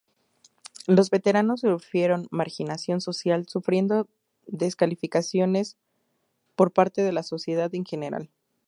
Los veteranos sufrieron marginación social, sufriendo descalificaciones por parte de la sociedad en general.